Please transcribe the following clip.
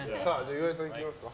岩井さん、いきますか。